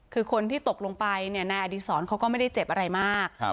คือคนที่ตกลงไปในอดีตสอนเค้าก็ไม่ได้เจ็บอะไรมาก